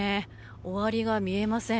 終わりが見えません。